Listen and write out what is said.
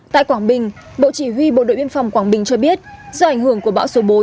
tại quảng bình bộ chỉ huy bộ đội biên phòng quảng bình cho biết do ảnh hưởng của bão số bốn